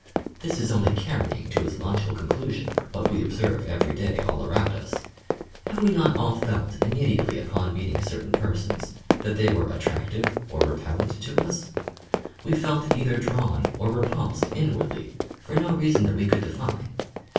Thia is only carrying to its logical conclusion what we ob serve every day all around us. Have we not all felt, immediately upon meeting certain person.'<, that they were attractive or repellant to us7 We felt either drawn or repulsed inwardly for no reason that we could define.